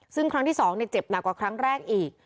ซึ่งครั้งที่๒เจ็บหนักกว่าครั้งแรกอีก